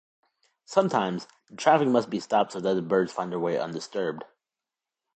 Sometimes, the traffic must be stopped so that the birds find their way undisturbed.